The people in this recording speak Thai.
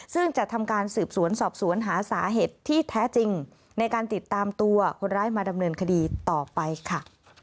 ซึ่งจะทำการสืบสวนสอบสวนหาสาเหตุที่แท้จริงในการติดตามตัวคนร้ายมาดำเนินคดีต่อไปค่ะ